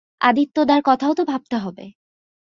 আদিত্যদার কথাও তো ভাবতে হবে।